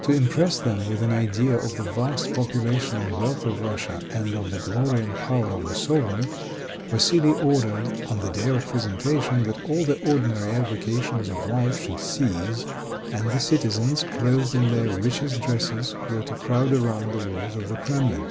To impress them with an idea of the vast population and wealth of Russia, and of the glory and power of the sovereign, Vassili ordered, on the day of presentation, that all the ordinary avocations of life should cease, and the citizens, clothed in their richest dresses, were to crowd around the walls of the Kremlin.